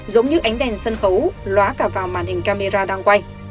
giống như ánh đèn sân khấu loa cả vào màn hình camera đang quay